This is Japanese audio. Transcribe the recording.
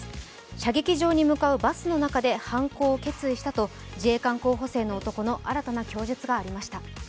射撃場に向かうバスの中で犯行を決意したと自衛官候補生の男の新たな供述がありました。